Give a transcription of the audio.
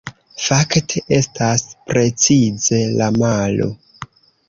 Fakte, estas precize la malo!